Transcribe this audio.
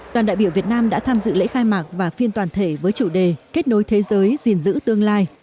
đoàn đại biểu việt nam đã tham dự lễ khai mạc và phiên toàn thể với chủ đề kết nối thế giới gìn giữ tương lai